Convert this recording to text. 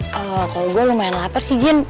kalau gue lumayan lapar sih jin